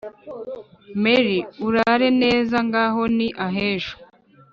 mary : urare neza ngaho! ni ahejo